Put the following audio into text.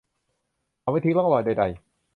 เขาไม่ทิ้งร่องรอยใด ๆ